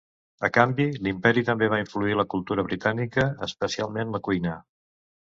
A canvi, l'Imperi també va influir la cultura britànica, especialment la cuina.